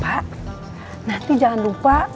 pak nanti jangan lupa